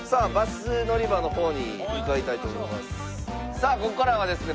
さあここからはですね